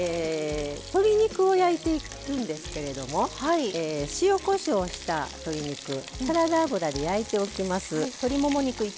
鶏肉を焼いていくんですけれども塩・こしょうをした鶏肉サラダ油で焼いておきます。